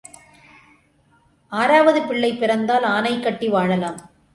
ஆறாவது பிள்ளை பிறந்தால் ஆனை கட்டி வாழலாம்.